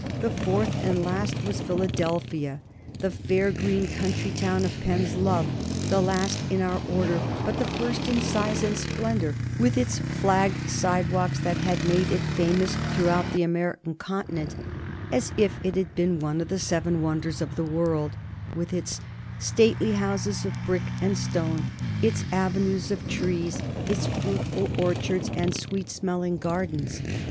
The fourth and last was Philadelphia, the "faire greene country town" of Penn's love, the last in our order, but the first in size and splendor, with its flagged sidewalks that had made it famous throughout the American continent as if it had been one of the seven wonders of the world, with its stately houses of brick and stone, its avenues of trees, its fruitful orchards and sweet smelling gardens.